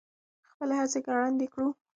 خپلې هڅې ګړندۍ کړو.